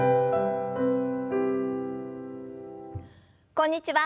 こんにちは。